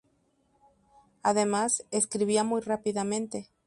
Además, escribía muy rápidamente.